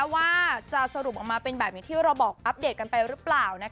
ว่าจะสรุปออกมาเป็นแบบอย่างที่เราบอกอัปเดตกันไปหรือเปล่า